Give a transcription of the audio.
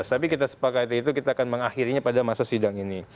tapi kita sepakati itu kita akan mengakhirinya pada masa sidang ini